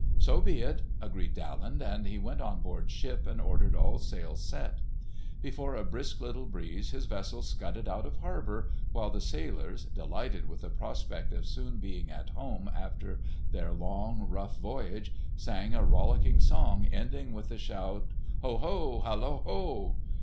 "So be it!" agreed Daland; and he went on board ship and ordered all sails set. Before a brisk little breeze his vessel scudded out of harbour, while the sailors, delighted with the prospect of soon being at home after their long, rough voyage, sang a rollicking song ending with the shout, "Hoho! Halloho!"